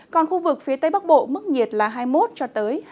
còn khu vực phía tây bắc bộ mức nhiệt là hai mươi một hai mươi bốn độ